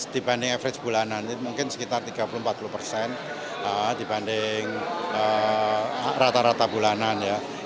dibanding average bulanan mungkin sekitar tiga puluh empat puluh persen dibanding rata rata bulanan ya